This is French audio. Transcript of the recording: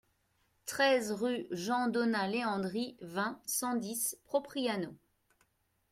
treize rue Jean Donat Leandri, vingt, cent dix, Propriano